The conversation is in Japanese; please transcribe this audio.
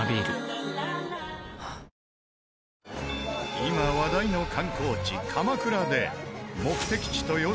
今話題の観光地鎌倉で。